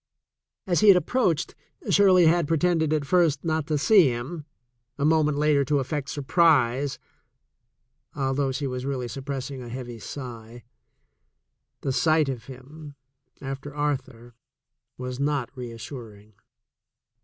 As he had approached, Shirley had pretended at first not to see him, a moment later to affect surprise, although she was really suppressing a heavy sigh. The sight of him, after Arthur, was not reassuring.